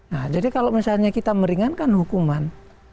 nah jadi kalau misalnya kita meringankan hukuman